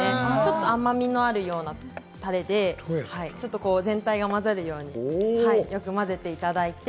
甘みのあるようなタレで、全体が混ざるように、よく混ぜていただいて。